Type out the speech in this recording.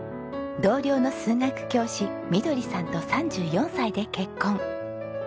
同僚の数学教師みどりさんと３４歳で結婚。